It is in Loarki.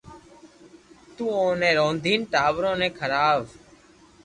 تو اوني رودين ٽاٻرو ني کراو